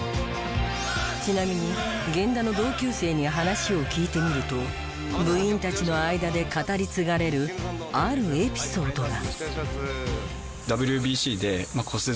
ちなみに源田の同級生に話を聞いてみると部員たちの間で語り継がれるあるエピソードが。